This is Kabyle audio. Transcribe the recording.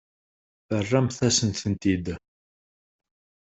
Terramt-asen-tent-id.